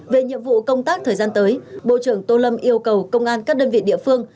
về nhiệm vụ công tác thời gian tới bộ trưởng tô lâm yêu cầu công an các đơn vị địa phương